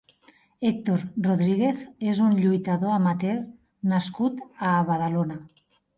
Héctor Rodríguez és un lluitador amateur nascut a Badalona.